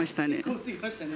降ってきましたね。